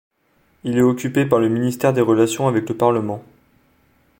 Il est occupé par le ministère des relations avec le Parlement.